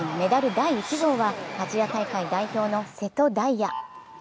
第１号はアジア大会代表の瀬戸大也。